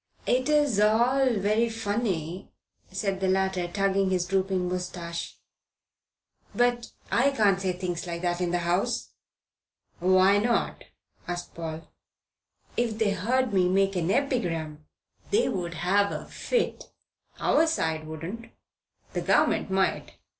"It's all very funny," said the latter, tugging his drooping moustache, "but I can't say things like that in the House." "Why not?" asked Paul. "If they heard me make an epigram, they would have a fit." "Our side wouldn't. The Government might.